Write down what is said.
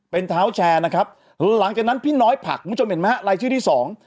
เป็นเท้าแชร์นะครับหลังจากนั้นพี่น้อยผักคุณผู้ชมเห็นไหมฮะรายชื่อที่สอง